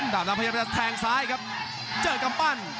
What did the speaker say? เราพยายามจะแทงซ้ายครับเจอกำปั้น